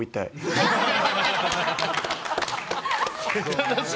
楽しい。